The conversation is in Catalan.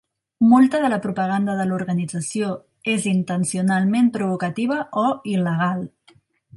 Molta de la propaganda de l'organització és intencionalment provocativa o il·legal.